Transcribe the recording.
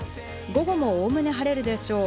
午後も概ね晴れるでしょう。